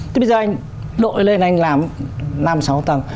thế bây giờ anh đội lên anh làm năm sáu tầng